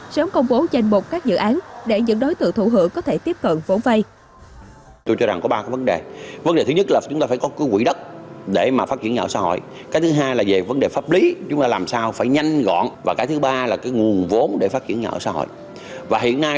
sớm công bố danh bột các dự án để những đối tượng thụ hữu có thể tiếp cận vốn vây